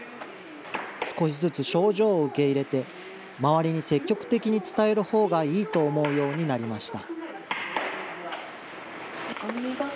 少しずつ症状を受け入れて、周りに積極的に伝えるほうがいいと思うようになりました。